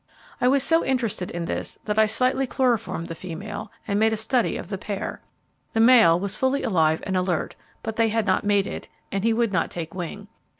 I was so interested in this that I slightly chloroformed the female, and made a study of the pair. The male was fully alive and alert, but they had not mated, and he would not take wing.